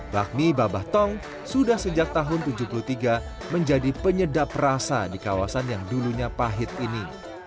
bakmi babah tong sudah sejak tahun seribu sembilan ratus tujuh puluh tiga menjadi penyedap rasa di kawasan yang dulunya pahit ini